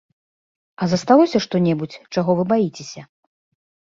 А засталося што-небудзь, чаго вы баіцеся?